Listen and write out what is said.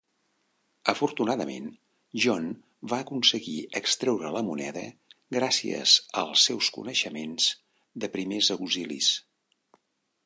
Afortunadament, John va aconseguir extreure la moneda gràcies als seus coneixements de primers auxilis.